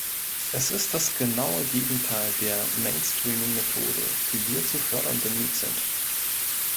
Es ist das genaue Gegenteil der Mainstreaming-Methode, die wir zu fördern bemüht sind.